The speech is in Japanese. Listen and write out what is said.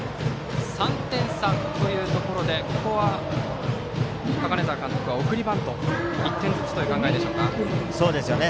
３点差というところでここは高根澤監督は送りバント、１点ずつというそうでしょうね。